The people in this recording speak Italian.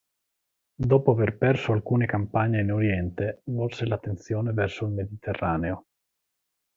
Dopo aver perso alcune campagne in Oriente, volse l'attenzione verso il Mediterraneo.